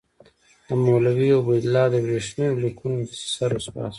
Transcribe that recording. د مولوي عبیدالله د ورېښمینو لیکونو دسیسه رسوا شوه.